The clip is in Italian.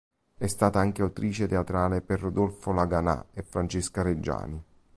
È stata anche autrice teatrale per Rodolfo Laganà e Francesca Reggiani.